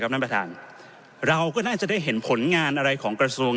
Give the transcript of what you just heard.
ท่านประธานเราก็น่าจะได้เห็นผลงานอะไรของกระทรวง